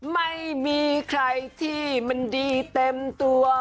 ไม่มีใครที่มันดีเต็มตัว